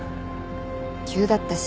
急だったし。